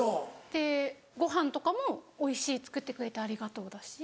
でご飯とかも「おいしい作ってくれてありがとう」だし。